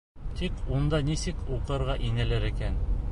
Тик унда нисек уҡырға инәләр икән?